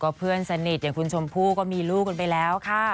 เพื่อนสนิทอย่างคุณชมพู่ก็มีลูกกันไปแล้วค่ะ